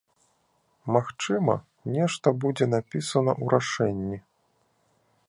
Магчыма, нешта будзе напісана ў рашэнні.